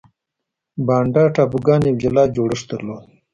بانډا ټاپوګان یو جلا جوړښت درلود.